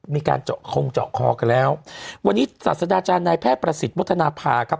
มีการเจาะคงเจาะคอกันแล้ววันนี้ศาสดาจารย์นายแพทย์ประสิทธิ์วัฒนภาครับ